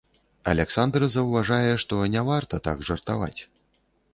Аляксандр заўважае, што не варта так жартаваць.